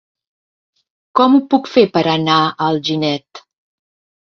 Com ho puc fer per anar a Alginet?